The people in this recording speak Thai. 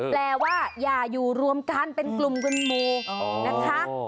แปลว่าอย่าอยู่รวมกันเป็นกลุ่มคุณหมู่นะคะ